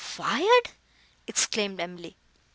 "Fired!" exclaimed Emily.